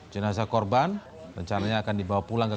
jenazah korban rencananya akan dibawa pulang ke